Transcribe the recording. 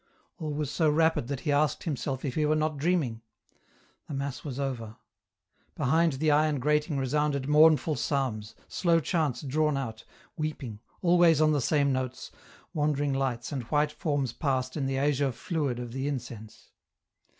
All was so rapid that he asked himself if he were not dreaming ; the mass was over. Behind the iron grating resounded mournful psalms, slow chants drawn out, weep ing, always on the same notes, wandering lights and white forms passed in the azure fluid of the incense.